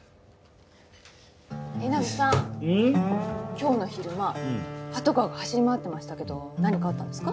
今日の昼間パトカーが走り回ってましたけど何かあったんですか？